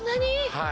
はい。